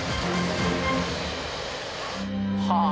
はあ！